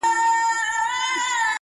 له خټو جوړه لویه خونه ده زمان ژوولې!